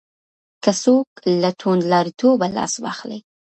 که څوک له توندلاریتوبه لاس واخلي.